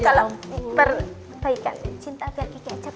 kalau perbaikan cinta biar kiki aja